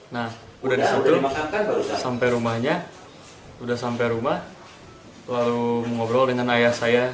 nah udah disitu sampai rumahnya udah sampai rumah lalu mengobrol dengan ayah saya